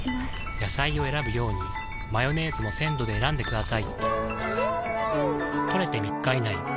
野菜を選ぶようにマヨネーズも鮮度で選んでくださいん！